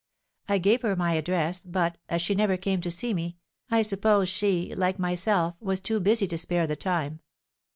I gave her my address, but, as she never came to see me, I suppose she, like myself, was too busy to spare the time.